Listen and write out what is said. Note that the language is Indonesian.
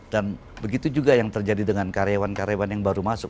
dan begitu juga yang terjadi dengan karyawan karyawan yang baru masuk